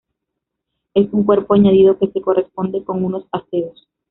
Es un cuerpo añadido que se corresponde con unos aseos.